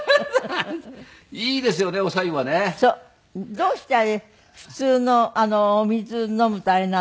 どうしてあれ普通のお水飲むとあれなのに。